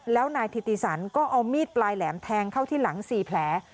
แล้วนายถิติสันก็เอามีดปลายแหลมแทงเข้าที่หลัง๔แผล